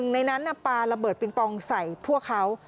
ในนั้นปลาระเบิดปิงปองใส่พวกเขา